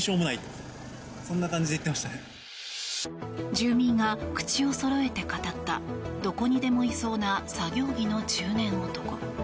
住民が口をそろえて語ったどこにでもいそうな作業着の中年男。